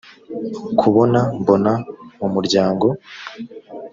kubona mbona mu muryango